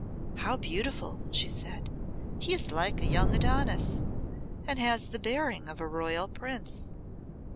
"How beautiful!" she said. "He is like a young Adonis, and has the bearing of a royal prince!